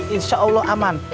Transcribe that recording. insya allah aman